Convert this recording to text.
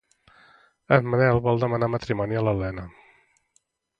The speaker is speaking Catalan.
En Manel vol demanar matrimoni a l'Elena.